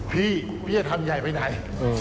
พี่พี่จะทำใหญ่ไปไหน